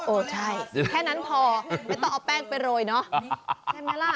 โอ้ใช่แค่นั้นพอไม่ต้องเอาแป้งไปโรยเนาะ